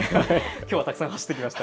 きょうはたくさん走ってきました。